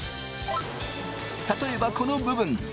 例えばこの部分。